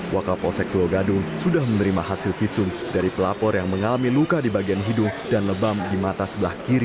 wakil posek tua gadung sudah menerima hasil visum dari pelapor yang mengalami luka di bagian hidung dan lebam di mata sebelah kiri